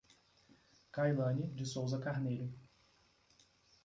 Cailane de Souza Carneiro